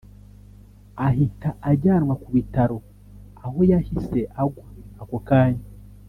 ahita ajyanwa ku bitaro aho yahise agwa ako kanya